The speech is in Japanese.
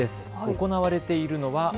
行われているのは。